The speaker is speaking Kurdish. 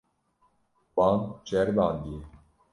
Wan ceribandiye.